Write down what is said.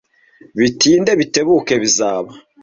Bitinde bitebuke bizaba.